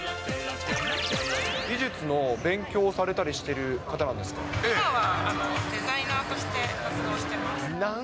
美術の勉強をされたりしてる今はデザイナーとして活動してます。